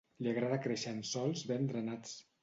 Li agrada créixer en sòls ben drenats.